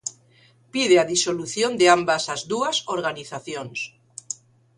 Pide a disolución de ambas as dúas organizacións.